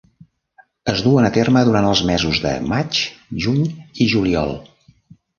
Es duen a terme durant els mesos de maig, juny i juliol.